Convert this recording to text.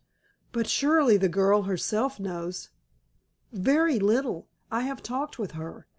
"But surely the girl herself knows——" "Very little. I have talked with her.